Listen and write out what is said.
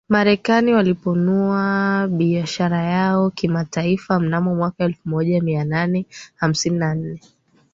Marekani walipanua biashara yao kimataifa mnamo mwaka elfumoja mianane hamsini na nne